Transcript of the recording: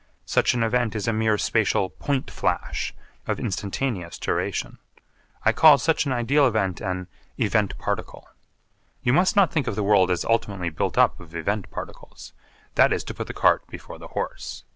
Such an event is a mere spatial point flash of instantaneous duration. I call such an ideal event an 'event particle.' You must not think of the world as ultimately built up of event particles. That is to put the cart before the horse.